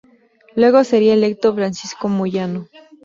Luego sería electo Francisco Moyano.